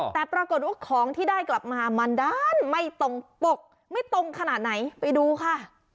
แต่ปรากฏว่าของที่ได้กลับมามันด้านไม่ตรงปกไม่ตรงขนาดไหนไปดูค่ะ